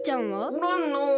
おらんのう。